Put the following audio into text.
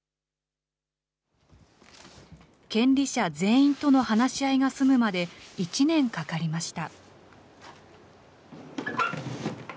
権利者全員との話し合いが済むまで、１年かかりました。